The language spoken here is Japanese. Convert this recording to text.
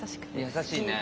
優しいね。